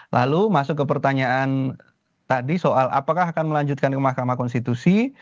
lalu masuk ke pertanyaan tadi soal apakah akan melanjutkan ke mahkamah konstitusi